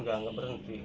tidak tidak berhenti